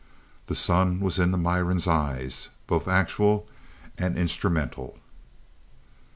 The sun was in the Miran's "eyes," both actual and instrumental.